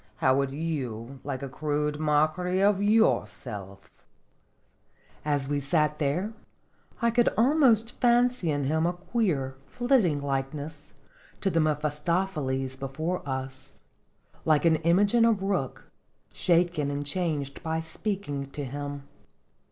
"How would you like a crude mockery of yourself?" As we sat there, I could almost fancy in him a queer, flitting likeness to the Mephis topheles before us, like an image in a brook, shaken and changed by speaking to him.